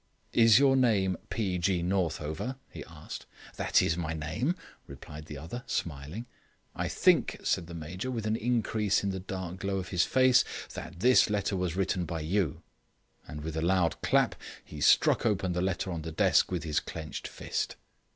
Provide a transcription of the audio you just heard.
"Is your name P. G. Northover?" he asked. "That is my name," replied the other, smiling. "I think," said Major Brown, with an increase in the dark glow of his face, "that this letter was written by you." And with a loud clap he struck open the letter on the desk with his clenched fist.